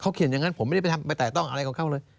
เขาเขียนอย่างนั้นผมไม่ได้ไปต่างอะไรของเขาเลย